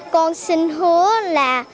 con xin hứa là